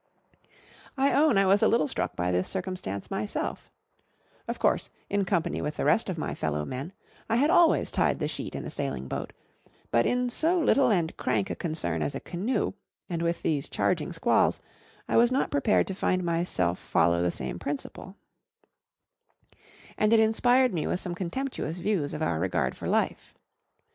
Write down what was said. I own I was a little struck by this circumstance myself; of course, in company with the rest of my fellow men, I had always tied the sheet in a sailing boat; but in so little and crank a concern as a canoe, and with these charging squalls, I was not prepared to find myself follow the same principle; and it inspired me with some contemptuous views of our regard for life.